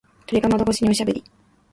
鳥が窓越しにおしゃべり。